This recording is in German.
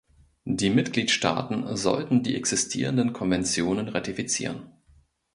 Die Mitgliedstaaten sollten die existierenden Konventionen ratifizieren.